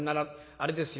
あれですよ